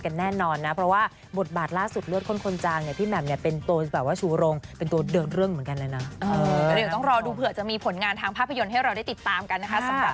แกก็หูล้อฮือแล้วแกก็เดินบอกเดี๋ยวผมไปตัดต่อต่อกันครับ